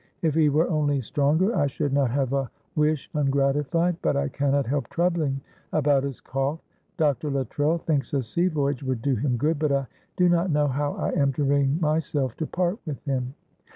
If he were only stronger I should not have a wish ungratified, but I cannot help troubling about his cough. Dr. Luttrell thinks a sea voyage would do him good, but I do not know how I am to bring myself to part with him.